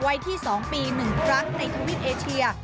วัยที่๒ปี๑ครั้งในทวีปเอเชีย